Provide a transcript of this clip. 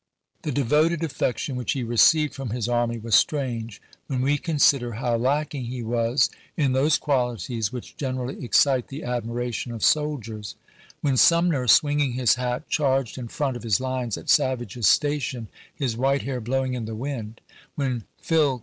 The devoted affection which he received from his army was strange when we consider how lacking 192 ABKAHAM LINCOLN Chap. IX. he was in those qualities which generally excite the admiration of soldiers. When Sumner, swinging his hat, charged in front of his lines at Savage's Station, his white hair blowing in the wind ; when Phil.